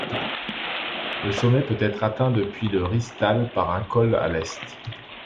Le sommet peut être atteint depuis la Rißtal par un col à l'est.